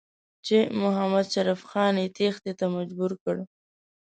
چې محمدشریف خان یې تېښتې ته مجبور کړ.